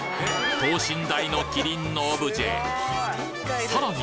等身大のキリンのオブジェさらに